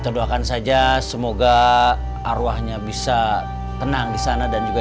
aku akan menganggap